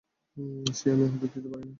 সে আমি হতে দিতে পারব না।